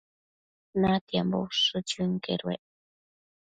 Natiambo ushë chënquedued